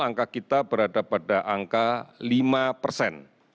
angka kita berada pada angka lima persen